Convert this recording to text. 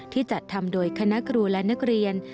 จัดทำโดยคณะครูและนักเรียน